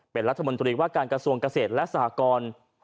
เป็นรัฐมนตรีว่าการกระทรวงเกษตรและสหกร